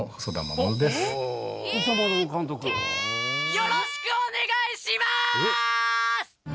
よろしくお願いしまぁす！